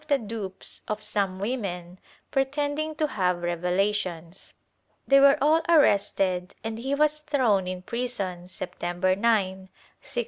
VIH] THE ACCUSATION 41 dupes of some women pretending to have revelations. They were all arrested and he was thrown in prison September 9, 1649.